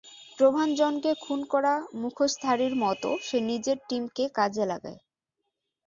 প্রভাঞ্জনকে খুন করা মুখোশধারীর মতো সে নিজের টিমকে কাজে লাগায়।